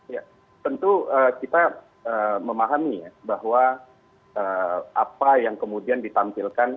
ya tentu kita memahami ya bahwa apa yang kemudian ditampilkan